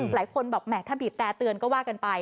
หลายคนบอกแหมถ้าบีบแต่เตือนก็ว่ากันไป